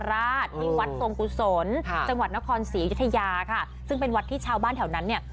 เรื่องของเรื่องเมื่อสู่สัปดาห์ที่ผ่านมา